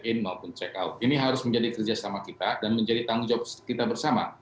ini harus menjadi kerja sama kita dan menjadi tanggung jawab kita bersama